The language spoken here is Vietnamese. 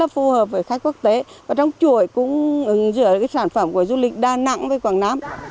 phù hợp với khách quốc tế và trong chuỗi cung ứng giữa sản phẩm của du lịch đà nẵng với quảng nam